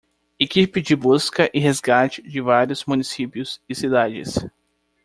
Equipe de busca e resgate de vários municípios e cidades